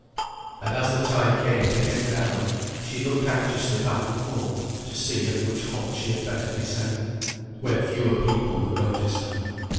And as the time came to get down, she looked anxiously back and forth to see at which halt she had better descend—where fewer people would notice her.